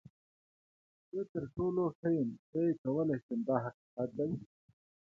زه تر ټولو ښه یم، زه یې کولی شم دا حقیقت دی.